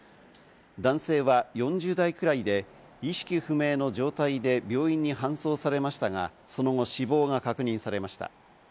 男性は４０代くらいで、意識不明の状態で病院に搬送されましたが、その後、死亡が確認されました。